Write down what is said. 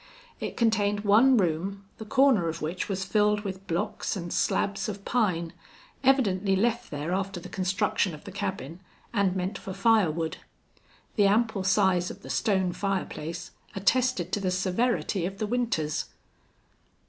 It contained one room, the corner of which was filled with blocks and slabs of pine, evidently left there after the construction of the cabin, and meant for fire wood. The ample size of the stone fireplace attested to the severity of the winters.